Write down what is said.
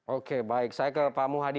oke baik saya ke pak muhadi